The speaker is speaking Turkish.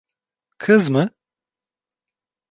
Kız mı?